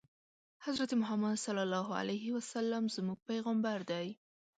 حضرت محمد ص زموږ پیغمبر دی